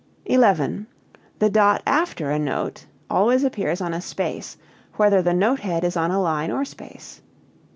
The dot after a note always appears on a space, whether the note head is on a line or space.